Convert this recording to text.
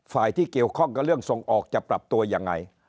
ฝ่ายที่เกี่ยวข้องกับเรื่องส่งออกจะปรับตัวยังไง